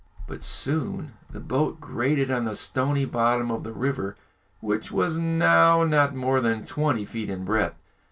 But soon the boat grated on the stony bottom of the river, which was now not more than twenty feet in breadth.